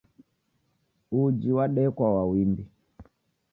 Uji wadekwa wa wimbi